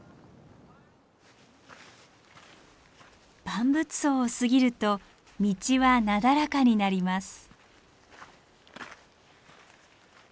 万物相を過ぎると道はなだらかになります。